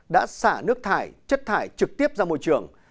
đã xả nước thải chất thải trực tiếp ra môi trường